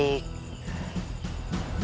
jika perampoknya sudah tertangkap